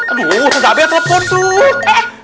aduh susah abeah telepon tuh